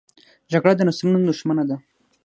جګړه د نسلونو دښمنه ده